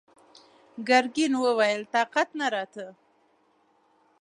ګرګين وويل: طاقت نه راته!